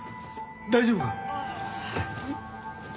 大丈夫か！？